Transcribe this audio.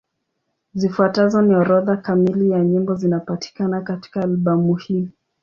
Zifuatazo ni orodha kamili ya nyimbo zinapatikana katika albamu hii.